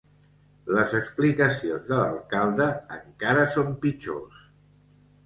Les explicacions de l'alcalde encara són pitjors.